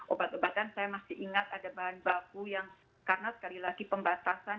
obat obatan saya masih ingat ada bahan baku yang karena sekali lagi pembatasan